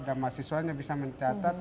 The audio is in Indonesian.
dan mahasiswanya bisa mencatat